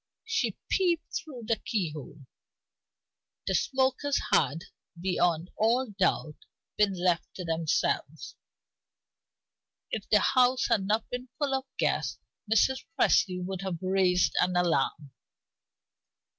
She peeped through the keyhole; the smokers had, beyond all doubt, been left to themselves. If the house had not been full of guests, Mrs. Presty would now have raised an alarm.